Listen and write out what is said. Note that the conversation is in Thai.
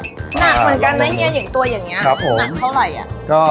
หนักเหมือนกันนะเฮียอย่างตัวอย่างนี้หนักเท่าไหร่อ่ะ